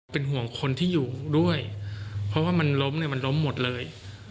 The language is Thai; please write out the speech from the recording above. เป็นห่วงคนที่อยู่ด้วยเพราะว่ามันล้มเนี่ยมันล้มหมดเลย